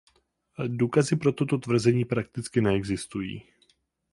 Důkazy pro toto tvrzení prakticky neexistují.